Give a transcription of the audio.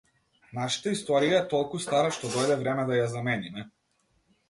Нашата историја е толку стара што дојде време да ја замениме.